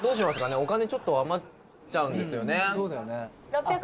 お金ちょっと余っちゃうんですよね。